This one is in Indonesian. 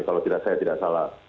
kalau saya tidak salah